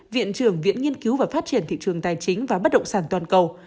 viện trưởng viện nghiên cứu và phát triển thị trường tài chính và bất động sản toàn cầu